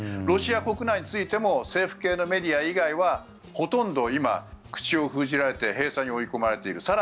ロシア国内についても政府系のメディア以外はほとんど今、口を封じられて閉鎖に追い込まれている。